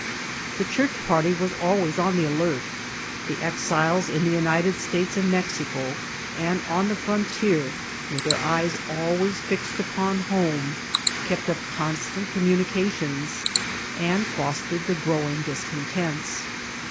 The Church party was always on the alert The exiles in the United States and Mexico, and on the POLITICAL STATS OP OUATIM ALA. 199 firontier, with their eyes always fixed upon homey kept up constant commimications, and fostered the growing discontents.